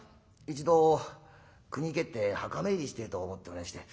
「一度国へ帰って墓参りしてえと思っておりまして。